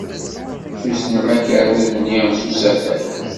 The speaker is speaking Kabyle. Tuznem akerrud-nni s usafag.